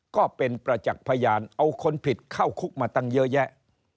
ก็เป็นประจักษ์พยานเอาคนผิดเข้าคุกมาตั้งเยอะแยะ